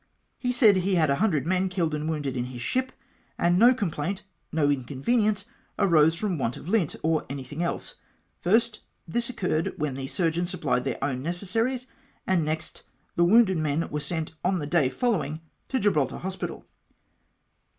He said he had an hun dred men killed and wounded in his ship, and no complaint, no inconvenience arose from want of lint, or anything else. First, this occurred when surgeons supplied their own ne cessaries, and next, the wounded men were sent on the day following to Gibraltar Hospital.